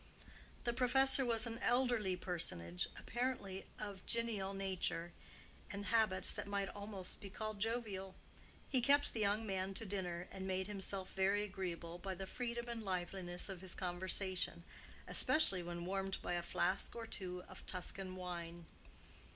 The professor was an elderly personage, apparently of genial nature, and habits that might almost be called jovial. He kept the young man to dinner, and made himself very agreeable by the freedom and liveliness of his conversation, especially when warmed by a flask or two of Tuscan wine.